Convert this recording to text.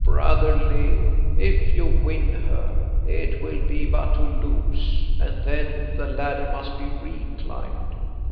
Brother Leo, if you win her, it will be but to lose, and then the ladder must be reclimbed.